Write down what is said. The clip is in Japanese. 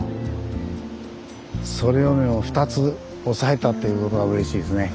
それよりも２つ押さえたっていうことがうれしいですね。